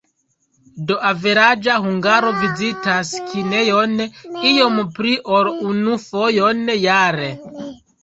Do, averaĝa hungaro vizitas kinejon iom pli ol unu fojon jare.